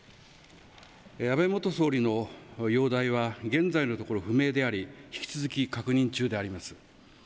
安倍元総理の容体は現在のところ不明であり引き続き確認中であります。